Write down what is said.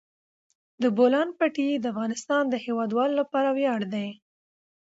د بولان پټي د افغانستان د هیوادوالو لپاره ویاړ دی.